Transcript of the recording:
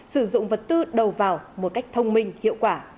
sử dụng vật tư đầu vào một cách thông minh hiệu quả